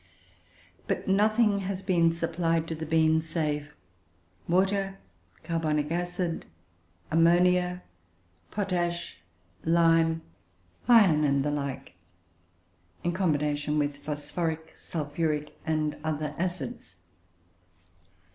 But nothing has been supplied to the bean save water, carbonic acid, ammonia, potash, lime, iron, and the like, in combination with phosphoric, sulphuric, and other acids.